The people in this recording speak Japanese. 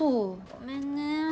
ごめんね。